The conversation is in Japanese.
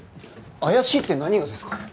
怪しいって何がですか？